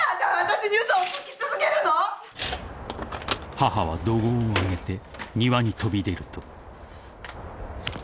［母は怒号を上げて庭に飛び出ると］